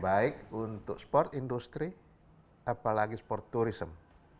baik untuk industri sport apalagi sport turisme